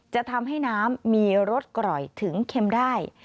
จะทำให้น้ำมีรสกร่อยถึงเค็มได้